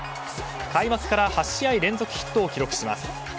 開幕から８試合連続ヒットを記録します。